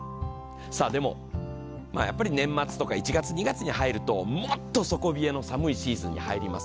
でも、やっぱり年末とか１月、２月に入るともっと底冷えの寒いシーズンに入ります。